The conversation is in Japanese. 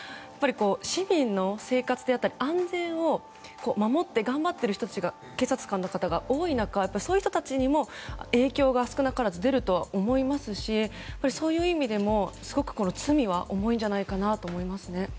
市民の生活であったり安全を守って頑張っている警察官の方が多い中そういう方たちにも影響が少なからず出ると思いますしそういう意味でもすごく罪は重いんじゃないかと思います。